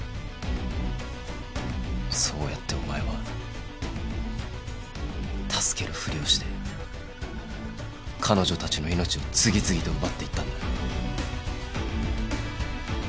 そうやってお前は助けるふりをして彼女たちの命を次々と奪っていったんだ。